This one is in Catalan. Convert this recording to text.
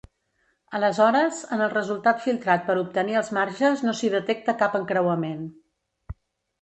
Aleshores, en el resultat filtrat per obtenir els marges no s'hi detecta cap encreuament.